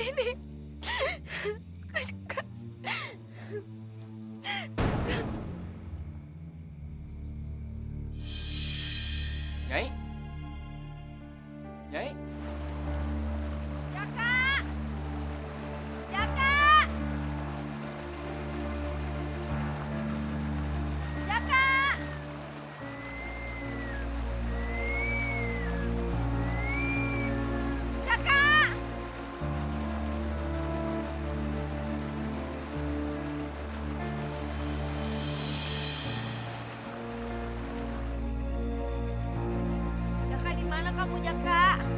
ini tes lendang punya ibu